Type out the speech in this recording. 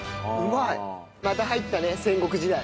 また入ったね戦国時代。